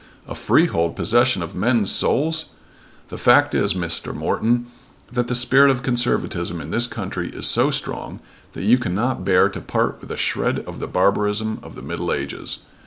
"A freehold possession of men's souls! The fact is, Mr. Morton, that the spirit of conservatism in this country is so strong that you cannot bear to part with a shred of the barbarism of the middle ages.